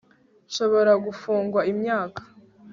nshobora gufungwa imyaka